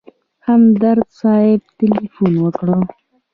همدرد صاحب تیلفون وکړ.